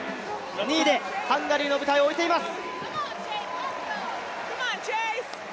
２位でハンガリーの舞台を終えています。